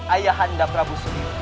ayahanda prabu suniwa